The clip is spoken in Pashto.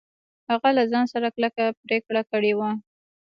هغه له ځان سره کلکه پرېکړه کړې وه.